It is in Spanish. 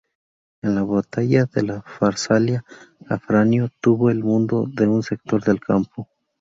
En la batalla de Farsalia Afranio tuvo el mando de un sector del campo.